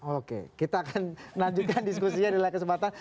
oke kita akan lanjutkan diskusinya di lain kesempatan